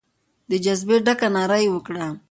د جذبې ډکه ناره وکړه.